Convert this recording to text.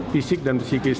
fisik dan psikis